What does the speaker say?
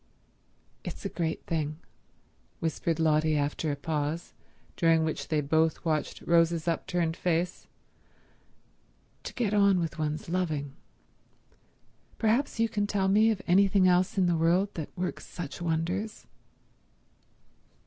"It's a great thing," whispered Lotty after a pause, during which they both watched Rose's upturned face, "to get on with one's loving. Perhaps you can tell me of anything else in the world that works such wonders."